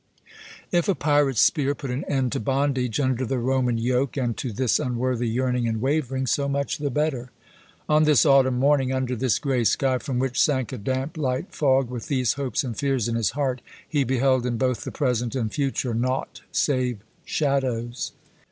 If a pirate's spear put an end to bondage under the Roman yoke and to this unworthy yearning and wavering, so much the better! On this autumn morning, under this grey sky, from which sank a damp, light fog, with these hopes and fears in his heart, he beheld in both the present and future naught save shadows.